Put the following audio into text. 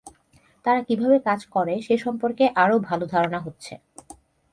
তারা কীভাবে কাজ করে সে সম্পর্কে আরও ভালো ধারণা হচ্ছে।